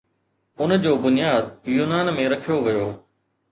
ان جو بنياد يونان ۾ رکيو ويو.